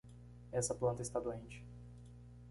Essa planta está doente.